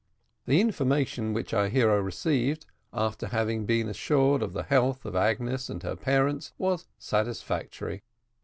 The information which our hero received, after having been assured of the health of Agnes and her parents, was satisfactory.